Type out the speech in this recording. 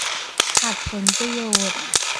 ขัดผลประโยชน์